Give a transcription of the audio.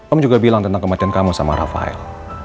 om juga bilang tentang kematian kamu sama rafael